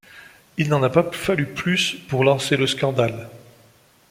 Il n'en a pas fallu plus pour lancer le scandale.